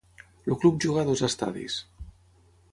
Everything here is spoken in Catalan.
El club juga a dos estadis.